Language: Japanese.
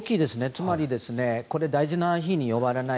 つまり大事な日に呼ばれない。